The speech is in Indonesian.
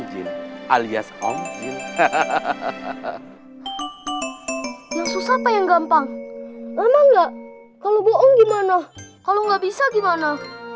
jin alias om jin hahaha yang susah apa yang gampang emang nggak kalau bohong gimana kalau nggak bisa gimana